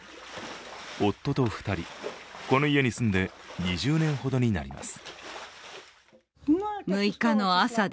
夫と２人、この家に住んで２０年ほどになります。